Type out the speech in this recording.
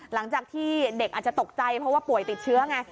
หลังจากที่เด็กอาจจะตกใจเพราะว่าป่วยติดเชื้อไง